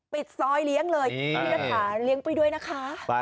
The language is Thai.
ปิดซอยเลี้ยงเลยพี่รัฐาเลี้ยงไปด้วยนะคะ